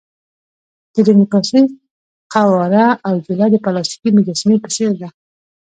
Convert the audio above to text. د ډیموکراسۍ قواره او جوله د پلاستیکي مجسمې په څېر ده.